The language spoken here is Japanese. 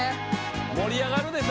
盛り上がるでしょ？